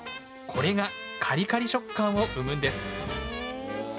これがカリカリ食感を生むんです。